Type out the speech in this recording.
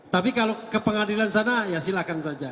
tapi kalau ke pengadilan sana ya silahkan saja